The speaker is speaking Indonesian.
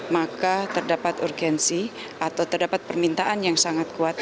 maka terdapat urgensi atau terdapat permintaan yang sangat kuat